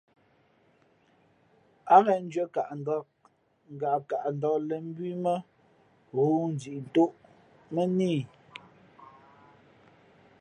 Ǎ ghen ndʉ̄ᾱnkaʼndāk ngaʼkaʼndāk lēn mbū ī mά ghoōndiʼtōʼ mᾱ nά i.